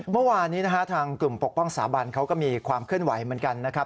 เมื่อวานนี้นะฮะทางกลุ่มปกป้องสถาบันเขาก็มีความเคลื่อนไหวเหมือนกันนะครับ